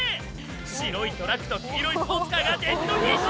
白いトラックと黄色いスポーツカーがデッドヒート！